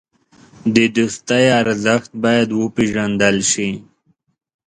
د دوستۍ ارزښت باید وپېژندل شي.